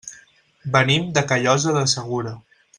Venim de Callosa de Segura.